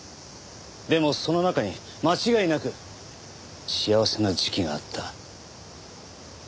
でもその中に間違いなく幸せな時期があった。